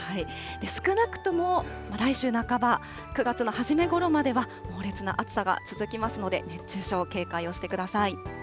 少なくとも来週半ば、９月の初めごろまでは猛烈な暑さが続きますので、熱中症、警戒をしてください。